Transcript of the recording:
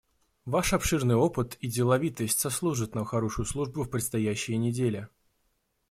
Ваш обширный опыт и деловитость сослужат нам хорошую службу в предстоящие недели.